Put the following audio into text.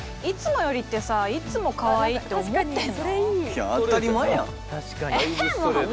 「いつもより」ってさいつもかわいいって思ってんの？